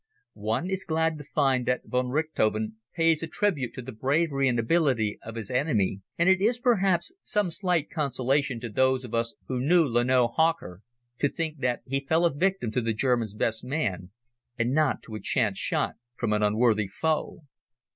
One is glad to find that von Richthofen pays a tribute to the bravery and ability of his enemy, and it is perhaps some slight consolation to those of us who knew Lanoe Hawker to think that he fell a victim to the Germans' best man and not to a chance shot from an unworthy foe.